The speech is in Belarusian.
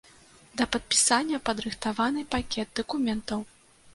Да падпісання падрыхтаваны пакет дакументаў.